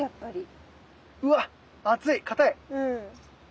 うわっ厚い硬い！